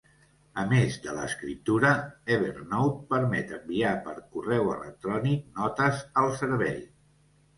A més de l’escriptura, Evernote permet enviar per correu electrònic notes al servei.